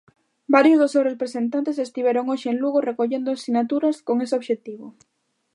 Varios dos seus representantes estiveron hoxe en Lugo recollendo sinaturas con ese obxectivo.